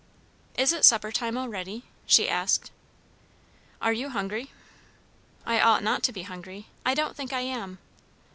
"Is it supper time already?" she asked. "Are you hungry?" "I ought not to be hungry. I don't think I am."